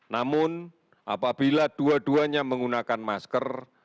namun apabila dua duanya menggunakan masker